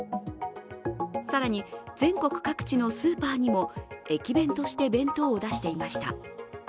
更に全国各地のスーパーにも駅弁として弁当を出していました。